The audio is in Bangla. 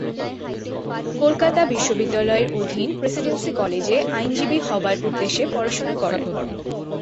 কলকাতা বিশ্ববিদ্যালয়ের অধীন প্রেসিডেন্সি কলেজে আইনজীবী হবার উদ্দেশ্যে পড়াশোনা করেন।